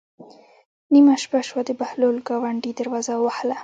نیمه شپه شوه د بهلول ګاونډي دروازه ووهله.